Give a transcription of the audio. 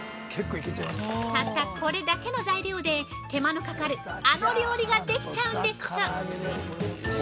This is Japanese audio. ◆たったこれだけの材料で手間のかかるあの料理ができちゃうんです！